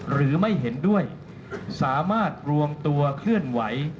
หรือไม่เห็นด้วยสามารถรวมตัวเคลื่อนไหว